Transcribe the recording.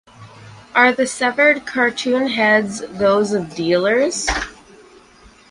Are the severed cartoon heads those of dealers?